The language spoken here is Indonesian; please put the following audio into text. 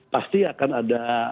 pasti akan ada